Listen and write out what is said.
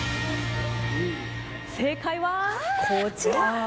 正解はこちら。